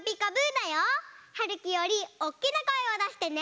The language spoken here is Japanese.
だよ。はるきよりおっきなこえをだしてね。